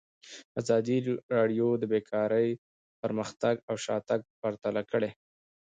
ازادي راډیو د بیکاري پرمختګ او شاتګ پرتله کړی.